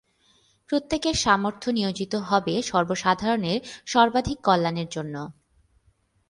প্রত্যেকের সামর্থ্য নিয়োজিত হবে সর্বসাধারণের সর্বাধিক কল্যাণের জন্য'।